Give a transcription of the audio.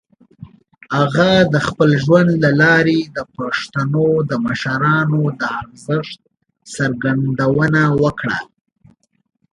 هغه د خپل ژوند له لارې د پښتنو د مشرانو د ارزښت څرګندونه وکړه.